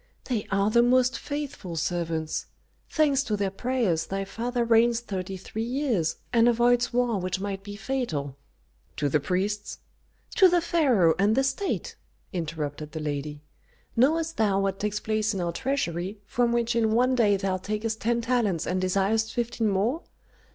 "They are the most faithful servants. Thanks to their prayers thy father reigns thirty three years, and avoids war which might be fatal." "To the priests?" "To the pharaoh and the state!" interrupted the lady. "Knowest thou what takes place in our treasury, from which in one day thou takest ten talents and desirest fifteen more?